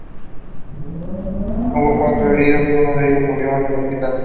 Hubo cuatro heridos, uno de ellos murió en el hospital.